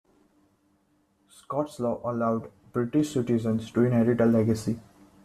Scots Law allowed only British citizens to inherit a legacy.